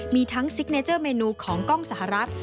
มีทั้งซิกเนเจอร์เมนูของกล้องสหรัฐ